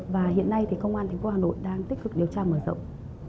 và hiện nay thì công an thành phố hà nội đang tích cực điều tra mở rộng